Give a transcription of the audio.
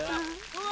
・うわ！